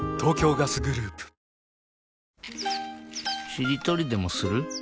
しりとりでもする？